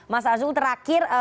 mas azul terakhir